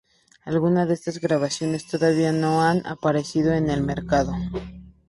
Algunas de estas grabaciones todavía no han aparecido al mercado.